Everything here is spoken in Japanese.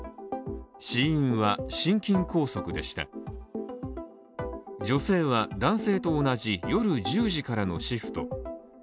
死因は心筋梗塞でした女性は男性と同じ夜１０時からのシフト。